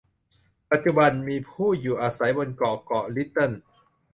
ปัจจุบัน มีผู้อยู่อาศัยบนเกาะเกาะลิตเติล